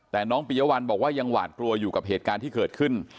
แต่น้องปียวัลบอกว่ายังหวาดกลัวอยู่กับเหตุการณ์ที่เกิดขึ้น